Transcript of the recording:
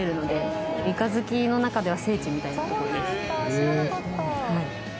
知らなかった」